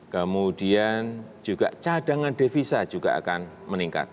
kemudian juga cadangan devisa juga akan meningkat